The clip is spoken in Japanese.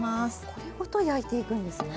これごと焼いていくんですね。